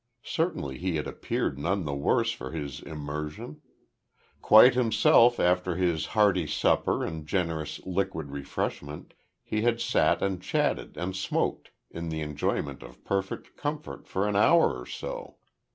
Certainly he had appeared none the worse for his immersion. Quite himself after his hearty supper and generous liquid refreshment, he had sat and chatted and smoked in the enjoyment of perfect comfort for an hour or so.